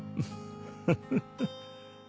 フフフ。